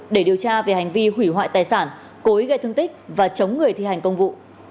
để điều tra về hành vi hủy hoại tài sản cối gây thương tích và chống người thi hành công vụ